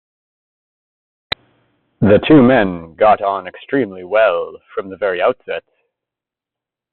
The two men got on extremely well from the very outset.